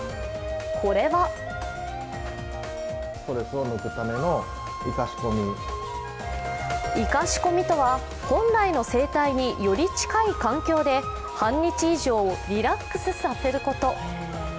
これは活かし込みとは本来の生態により近い環境で半日以上、リラックスさせること。